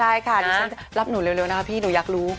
ใช่ค่ะรับหนูเร็วนะครับพี่หนูอยากรู้